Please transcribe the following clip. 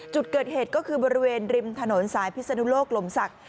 จุดเกิดเหตุก็คือบริเวณริมถนนสายพิศนุโลกลมศักดิ